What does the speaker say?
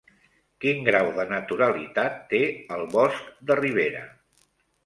Quin grau de naturalitat té el bosc de ribera?